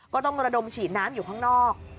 ก็ต้องระดมฉีดน้ำอยู่ข้างนอก